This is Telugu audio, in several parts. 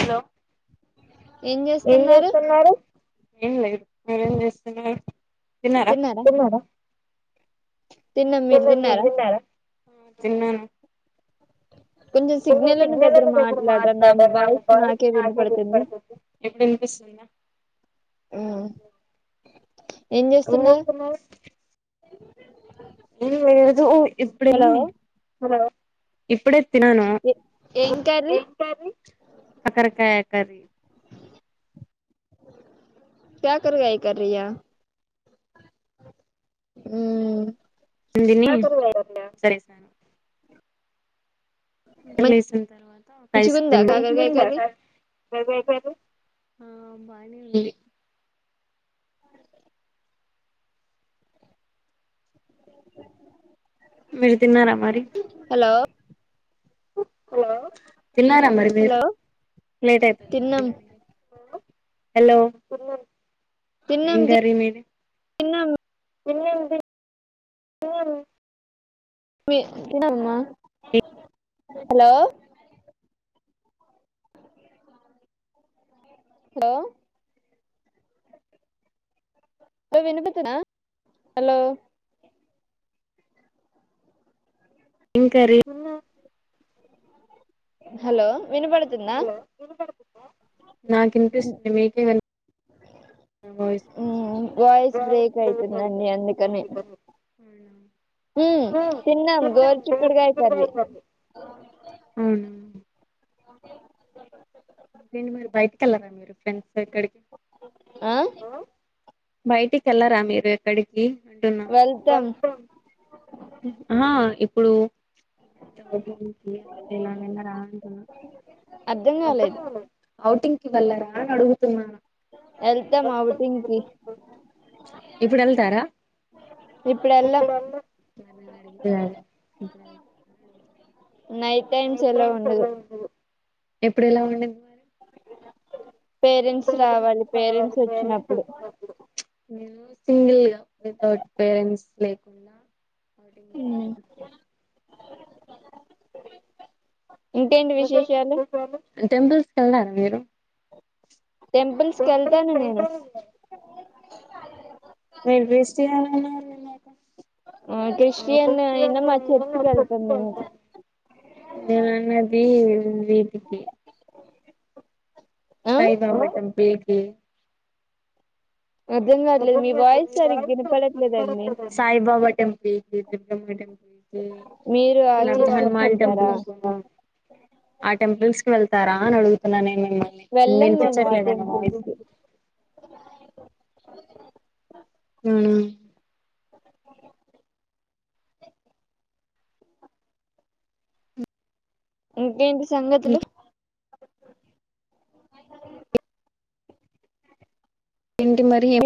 హలో ఏం చేూస్తున్నారు ఏం లేదు నవేం చేస్తన్నా తన్నారా తన్నారా త తిన్న సగ్నల్ చెప్పు మా దాదల్ పతు [inaudible] అ సన్నా ఏ ఏద ఇప్పుడ ఇప్పుడే తిననుం కర్రీ కక్కరకాయ కర్రీ కాకరకాయ కర్రీ ఉ సరే స వంటలే వసిన తర్వాత ఒక ఐస్ క్రీమ్ ఆ బానే ఉంది మీరు తిన్నారా మరి హలో తిన్నారా మరి వేరు లేట్ అవుతుంది అంత హలో తిన్నంది తన్నం తినం తినం హలో హలో వినపతునా హలో ఏంకార హలో వినిపడుతుందా వాయిస్ బ్రేక్ అయితుందండి అందుకని అవును హ తిన్నాం గోరు చుకుడుకాయ కరీ అ ఇంకేంటి మీరు బయటికిళ్ళరా మీరు ఫ్రెండ్స్ ఆ బయటికి వెళ్లరాా మీరు ఎక్కడికి అంటున్నా ఆ ఇప్పుడు లా ఎలా రాంటన్నా అబ్బో అఔటింగ్కి వెళ్ళరా అడుగుతున్న వెళ్తా మా టింగ్కి ఇప్పుడు వెళ్తారా ఇప్పుడు మ అడిగి ఇప్పుడ [unintelligible] ఎప్పుడు ఎలా ఉండింది మరి పేరెంట్స్ రావాలి పేరెంట్స్ వచ్చినప్పుడు నేను సింగిల్ గా వితౌట్ పేరెంట్స్ లేకుండా ఔటింగ్ ఉంటుంది ఇకేంటి విశేషాలు తిన్నారా మీరు టెంపుల్స్కి వెళ్తాను నేను [unintelligible] నేనున్నది వీటి కి సాయి బాబా టెంపుల్ కి సాయిబాబా టెంపుల్ కి [unintelligible] హమ్ హనుమాన్ టెంపుల్ ఆ టెంపుల్స్ వెళ్తారా అని అడుగుతున్నా నే మిమ్మల్ని వినిపించట్లేద అ హమ్ ఇంకేంటి సంగతులు ఏంటి మరి ఏం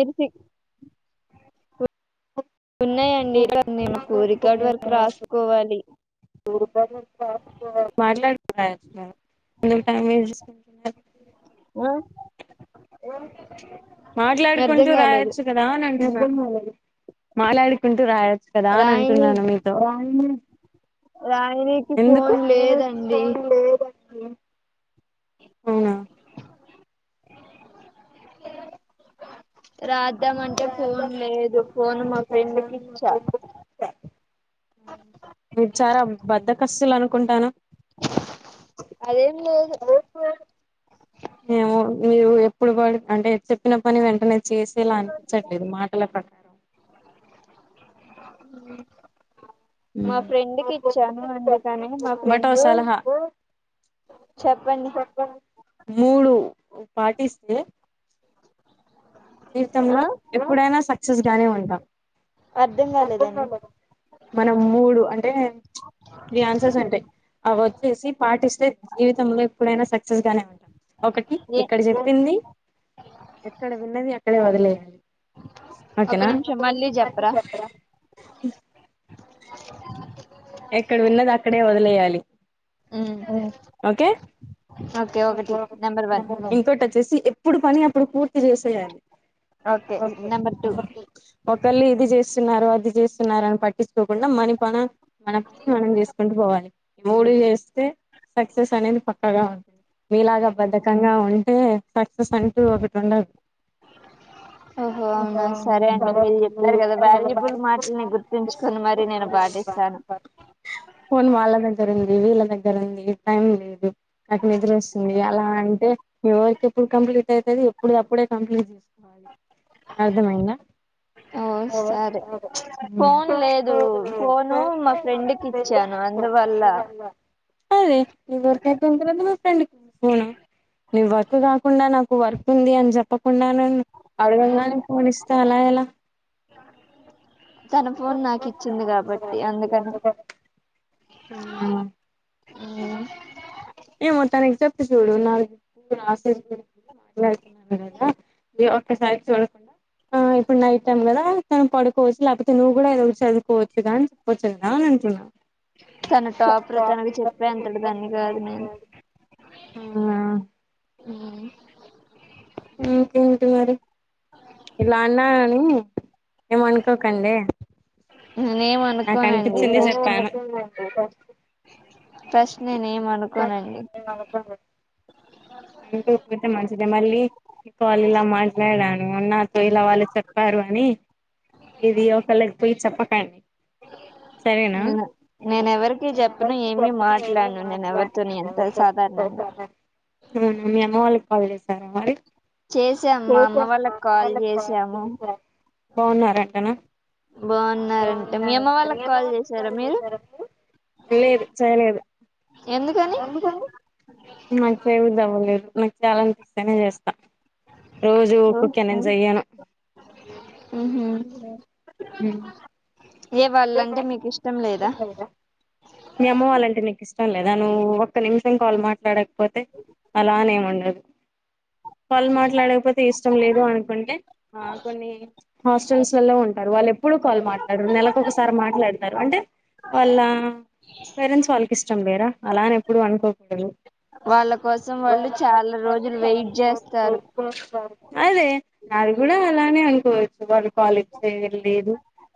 ఉన్నాయండి నేకు రికార్డు వర్క్ రాసుకోవాలి రికార్డ్ వర్క్ మాట్లాడుతున్నారు ఎందుకు టైమ్ వేస్ట్ మాట్లాడుకుంటూ రాయొచ్చు కదా అని అంటున్న మాట్లాడుకుంటూ రాయొచ్చు కదా అని అంటున్నాను మీతో ఎందూకు రా ఇద్దామంటే ఫోన్ లేదు ఫోన్ మా ఫ్రెండ్కి ఇచ్చా మీరు చాలా బద్ద కస్తులు అనుకుంటాను. అదేం లేదు మీరు ఎప్పుడు వాడు అంటే చెప్పిన పని వెంటనే చేసేలా అనిపించట్లేదు మాటల ప్ర. మా ఫ్రెండ్కి ఇచ్చాను అందుకని మా ఫ్రెండ్ చెప్పండి మూడు పాటిస్తే జీవితంలో ఎప్పుడైనా సక్సెస్ గానే ఉంటాం. అర్థం కాలేదండి. మనం మూడు అంటే ఈ ఆన్సర్స్ ఉంటాయి అవి వచ్చేసి పాటిస్తే జీవితంలో ఎప్పుడైనా సక్సెస్ గానే ఒకటి ఎక్కడ చెప్పింది ఎక్కడ విన్నది అక్కడే వదిలేయ్. ఓకేనా [unintelligible] ఎక్కడ విన్నది అక్కడే వదిలేయాలి. ఓకే. ఇంకోటి వచ్చేసి ఎప్పుడు పని అప్పుడు పూర్తి చేసేయాలి. ఒకవేళ ఇది చేసి ఇది చేస్తున్నారు అది చేస్తున్నారు అని పట్టించుకోకుండా, మన పని మన పని మనం చేసుకుంటూ పోవాలి. ఈ మూడు చేస్తే సక్సెస్ అనేది పక్కాగా ఉంటుంది. మీలాగా బద్ధకంగా ఉంటే సక్సెస్ అంటూ ఒకటి ఉండదు. ఓహో! అవునా సరే అండి మీరు చెప్పారు కదా, వాల్యూబుల్ మాటల్ని గుర్తుంచుకొని మరి నేను బ పాటిస్తాను ఫోన్ వాళ్ళ దగ్గర ఉంది, వీళ్ళ దగ్గర ఉంది. టైం లేదు నాకు నిద్ర వస్తుంది అలా అంటే మీ వర్క్ ఎప్పుడు కంప్లీట్ అవుతాది. ఎప్పుడు అప్పుడే కంప్లీట్ అర్థమైందా? ఓ సరే, ఫోన్ లేదు. ఫోను మ ఫ్రెండుకి ఇచ్చాను. అందువల్ల నీ వర్క్ కాకుండా, నాకు వర్క్ ఉంది అని చెప్ప కుండానే అడుగగానే పోని ఇస్తే అలా ఎలా? తన ఫోన్ నాకు ఇచ్చింది కాబట్టి అందుకని. అవునా మ్ ఏమో తనకి చెప్పి చూడు నా [unintelligible] మాట్లాడుతున్నారు కదా ఒక్కసారి చూడకుండా ఆ ఇప్పుడు నైట్ టైమ్ కదా, తను పడుకోవచ్చు లేకపోతే నువ్వు కూడా ఏదోటి చదువుకోవచ్చుదా అని చెప్పవచ్చుకదా అని అంటున్నావు. తన టాప్ లో తనకు చెప్పే అంతటి దాన్ని కాదు నే అ [unintelligible] ఇకేంటి మరి ఇలా అన్నాని ఏమ అనుకోకండి. నాకు అనిపించింది చెప్పాను. ఏమనుకోను మంచి అంటే, మళ్ళీ కాల్ ఇలా మాట్లాడాను అన్నారు. ఇలా వాళ్ళు చెప్పారు అని ఇది ఒకళకిపోయి చెప్పకండి. సరేనా అవునా, మీ అమ్మ వాళ్ళకి కాల్ చేసారు మరి చేసాను, వాళ్ళు బాగున్నారంటానా బాగున్నారంట. మీ. అమ్మా వాళ్ళకి కాల్ చేసారా మీరు? లేదు చేయలేదు. నాకు చేయాలని లేదు. నాకు చేయాలనిపిస్తేనే చేస్తా. రోజు ఊకూకె నేను చెయ్యను. మ్ హూ మీ అమ్మవాళ్ళంటే నీకు ఇష్టం లేదా తను ఒక్క నిమిషం కాల్ మాట్లాడకపోతే అలానేమిండదు కాల్ మాట్లాడకపోతే ఇష్టం లేదు అనుకుంటే, ఆ కొన్ని హాస్టల్స్లలో ఉంటారు వాళ్ళు. ఎప్పుడూ కాల్ మాట్లాడరు. నెలకుఒకసారి మాట్లాడతారు అంటే వాళ్ళా. పేరెంట్స్ వాళ్ళకి ఇష్టం లేేరా అలా అని ఎప్పుడుూ అనుకోకూడదు. వాళ్ళ కోసం అంట చాల డేస్ వెయిట్ చేశారు అదే నాది కూడా అలానే అనుకోవచ్చు వాళ్ళు కాలిజ్ చేయలేదు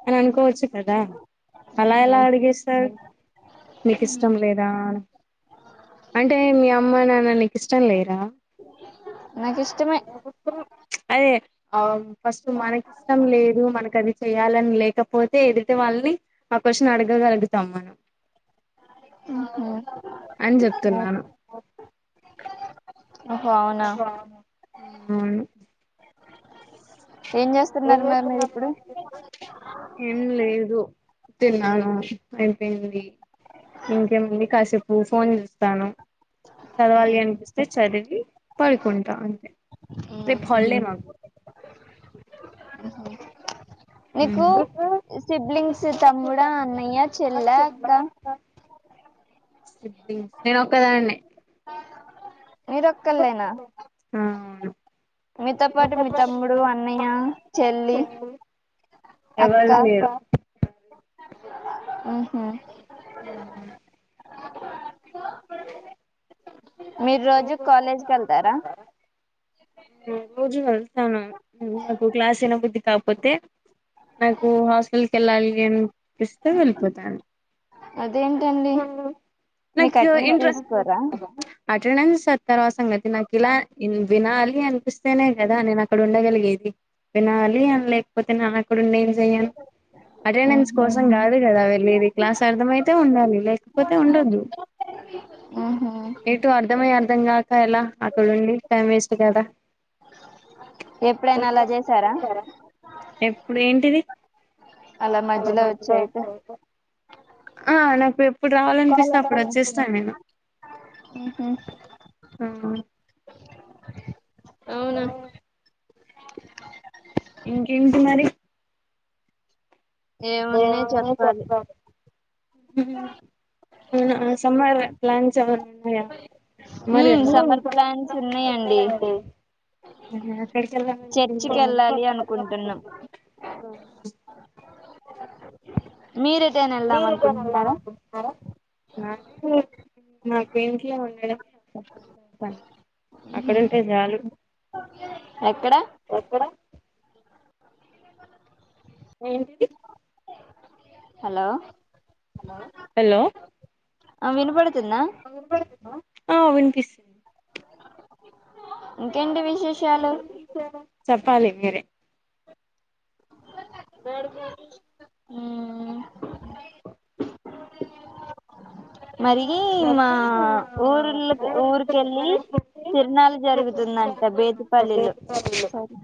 అని అనుకోవచ్చు ఆ అలా ఎలా అడిగేస్తారు నీకు ఇష్టం లేదా అని అంటే మీ అమ్మ నాన్న నీకు ఇష్టం లేరా నాకి ఇష్టమే అవ్ న్ ఫస్ట్ మనకి ఇష్టం లేదు మనకు అది చెయాలని లేకపోత్ తే ఎదుటి వాళ్ళని ఆ కొషన్ అడగ గలుగుతాం మనం ఆహో అన్ చెప్తున్నాను ఒకామె ఉమ్ అవును ఏం చేస్తున్నారు మరి మీరు ఇప్పుడు ఏం లేదు తిన్నాను అయిపోయింది ఇంకేముంది కాసేపు ఫోన్ చూస్తాను చదవాలి అనిపిస్తే చదివి పడుకుంటా అంతే రేప్ హాల్డే మాకు అ నీకు సిబ్లింగ్స్ తమ్ముడా అన్నయ్య చెల్ల అక్క సిబ్లింగ్ స్ నేను ఒక్కదాన్నే మీరొక్కలేనా మీతో పాటు మీ తమ్ముడు అన్నయ్య చెల్లి ఎవరూ లేరు ఉమ్ హు మీరు రోజు కాలేజ్కి వెళ్తారా రోజు వెళ్తాను నాకు క్లాస్ ఇనబుద్ది కాకపోతే నాకు హాస్టల్ కు వెళ్ళాలి అనిపిస్తే వెళ్ళిపోతాను ఏం కర్రీ నాకు ఇంట్ర అటెండెన్స్ సత్తర్వాసం అది నాకు ఇలా వినాలి అనిపిస్తేనే కదా నేను అక్కడ ఉండగలిగేది వినాలి అని లేకపోతే నేన్ అక్కడ ఉండేఏం జెయ్యాన్ అటెండెన్స్ కోసం కాదు కదా వెళ్ళేది క్లాస్ అర్ధం అయితే ఉండాలి లేకపోతే ఉండద్దు ఎటు అర్ధమయ్ అర్ధం కాక ఎలా అక్కడ ఉండి టైం వేస్ట్ కదా ఎప్పుడైనా అలా చేసారా ఎప్డు ఏంటిది ఆ నా కెప్ ఏప్పుడు రావాలనిపిస్తే అప్పుడు వచ్చేస్తాను నేను ఆ అవునా ఇంకేన్టి మరి ఏమున్నాయ్ చెప్పాలి ఉమ్ అ అవున సమ్మర్ ప్లాన్స్ ఏమన్నా ఉన్నాయ మరి [unintelligible] అ పెడికలు గాని [unintelligible] ఆ మీరు ఎటైనా వెల్దాం అనుకుంటున్నారా డబ్బులతో పని అక్కడంటే చాలు ఎక్కడ హలో హలో ఆ వినపడుత్ వినిపిస్ ఇంకెంటి విశేషాలు చప్పాలి మీరె ఊ అ మరి మా ఊర్ల ఊరిక వెళ్ళి తిరునాలు జరుగుతుందంట బేతిపల్లిలో సరే